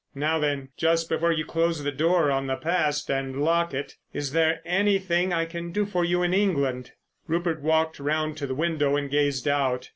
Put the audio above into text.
Now then, just before you close the door on the past and lock it, is there anything I can do for you in England?" Rupert walked round to the window and gazed out.